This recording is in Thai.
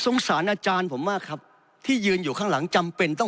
สารอาจารย์ผมมากครับที่ยืนอยู่ข้างหลังจำเป็นต้อง